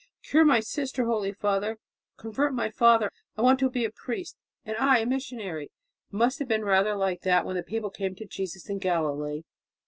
'Cure my sister, Holy Father; convert my father; I want to be a priest ... and I a missionary!' It must have been rather like that when the people came to Jesus in Galilee."